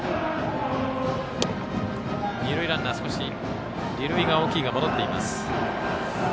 二塁ランナー、離塁が大きいが戻っています。